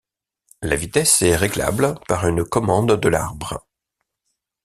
La vitesse est réglable par une commande de l'arbre.